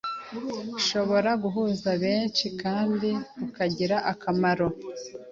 bushobora guhuza benshi kandi bukagira akamaro